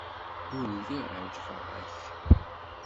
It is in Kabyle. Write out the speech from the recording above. Ur lliɣ ɛejbeɣ-ak.